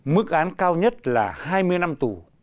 mức án cao nhất là hai mươi năm tù